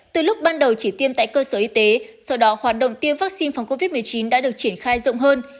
từ lúc ban đầu chỉ tiêm tại cơ sở y tế sau đó hoạt động tiêm vaccine phòng covid một mươi chín đã được triển khai rộng hơn